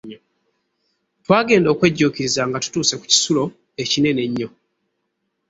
Twagenda okwejjuukiriza nga tutuuse ku kisulo ekinene ennyo.